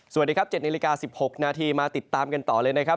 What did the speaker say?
สวัสดีครับ๗นาฬิกา๑๖นาทีมาติดตามกันต่อเลยนะครับ